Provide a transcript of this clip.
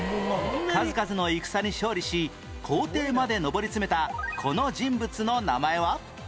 数々の戦に勝利し皇帝まで上り詰めたこの人物の名前は？